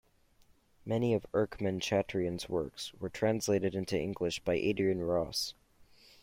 Many of Erckmann-Chatrian's works were translated into English by Adrian Ross.